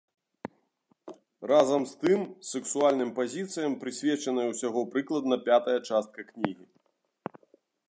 Разам з тым, сексуальным пазіцыям прысвечаная ўсяго прыкладна пятая частка кнігі.